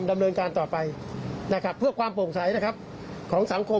ดำเนินการต่อไปเพื่อความโปร่งใสของสังคม